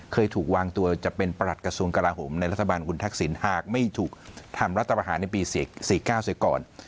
เคยถูกวางตัวจะเป็นประหลัดกระทรวงกลาโหมในรัฐบาลคุณทักษิณหากไม่ถูกทำรัฐประหารในปี๔๙เสียก่อน